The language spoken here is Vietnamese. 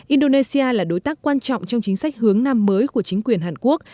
indonesia là đối tác quan trọng trong chính sách hướng năm mới của chính quyền hàn quốc